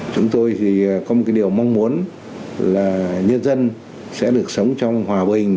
chúng tôi thì có một cái điều mong muốn là nhân dân sẽ được sống trong hòa bình